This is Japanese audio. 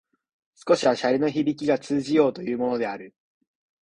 少しは洒落のひびきが通じようというものである